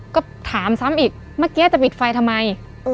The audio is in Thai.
ก็ถามซ้ำอีกเมื่อกี้จะปิดไฟทำไม